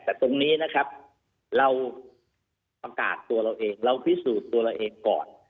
แต่ตรงนี้นะครับเราประกาศตัวเราเองเราพิสูจน์ตัวเราเองก่อน